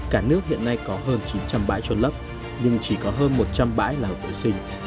cả nước hiện nay có hơn chín trăm linh bãi trôn lấp nhưng chỉ có hơn một trăm linh bãi là hợp vệ sinh